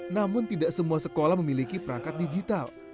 namun tidak semua sekolah memiliki perangkat digital